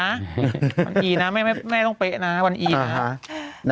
บางทีนะแม่ต้องเป๊ะนะวันอีนะ